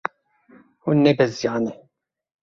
Hûn nebeziyane.